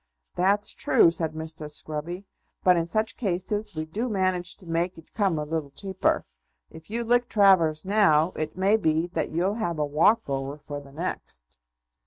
"That's true," said Mr. Scruby; "but in such cases we do manage to make it come a little cheaper. If you lick Travers now, it may be that you'll have a walk over for the next."